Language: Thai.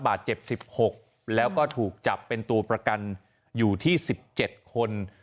บาดเจ็บ๑๖แล้วก็ถูกจับเป็นตัวประกันอยู่ที่๑๗คน